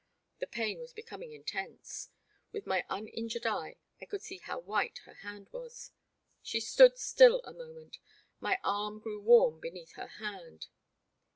The pain was becoming intense. With my uninjured eye I could see how white her hand was. She stood still a moment ; my arm grew warm beneath her hand.